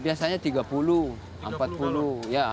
biasanya air berkandungan kapur setidaknya diperoleh minyak tanah